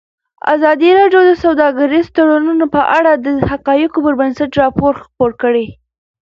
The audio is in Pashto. ازادي راډیو د سوداګریز تړونونه په اړه د حقایقو پر بنسټ راپور خپور کړی.